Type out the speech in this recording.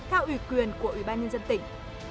theo ủy quyền của ủy ban nhân dân tỉnh